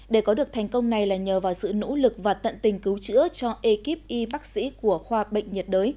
để có được thành công này là nhờ vào sự nỗ lực và tận tình cứu chữa cho ekip y bác sĩ của khoa bệnh nhiệt đới